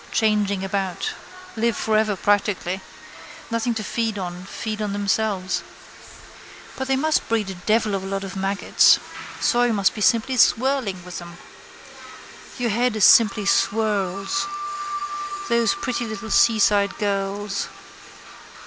Changing about. Live for ever practically. Nothing to feed on feed on themselves. But they must breed a devil of a lot of maggots. Soil must be simply swirling with them. Your head it simply swurls. Those pretty little seaside gurls.